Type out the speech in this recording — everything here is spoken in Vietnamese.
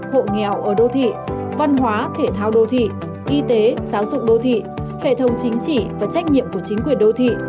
hộ nghèo ở đô thị văn hóa thể thao đô thị y tế giáo dục đô thị hệ thống chính trị và trách nhiệm của chính quyền đô thị